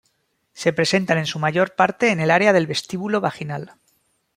Se presentan en su mayor parte en el área del vestíbulo vaginal.